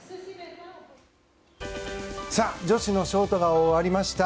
女子のショートが終わりました。